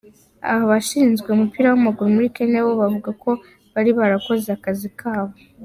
Abashinzwe umupira w’amaguru muri Kenya bo bavuga ko bari barakoze akazi kabo.